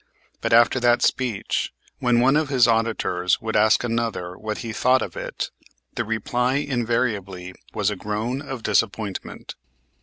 But, after that speech, when one of his auditors would ask another what he thought of it, the reply invariably was a groan of disappointment.